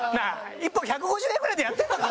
１本１５０円ぐらいでやってるのか？